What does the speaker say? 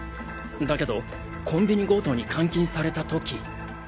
だけどコンビニ強盗に監禁された時。